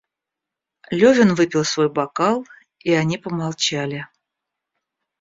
Левин выпил свой бокал, и они помолчали.